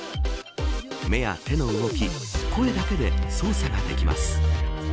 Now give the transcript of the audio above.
目や手の動き、声だけで操作ができます。